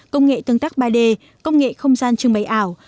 công nghệ tương tác ba d công nghệ không gian trưng bày ảo